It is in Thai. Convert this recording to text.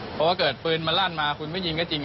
เพราะว่าเกิดปืนมันลั่นมาคุณไม่ยิงก็จริง